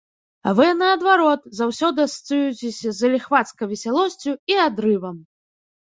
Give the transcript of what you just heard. А вы, наадварот, заўсёды асацыюецеся з заліхвацкай весялосцю і адрывам!